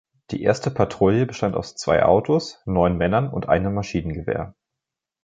Die erste Patrouille bestand aus zwei Autos, neun Männern und einem Maschinengewehr.